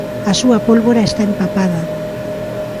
A súa pólvora está empapada.